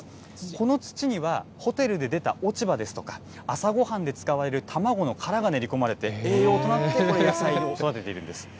この土には、ホテルで出た落ち葉ですとか、朝ごはんで使われる卵の殻が練り込まれて栄養となって野菜を育てているんです。